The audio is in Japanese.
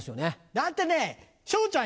だってね昇ちゃん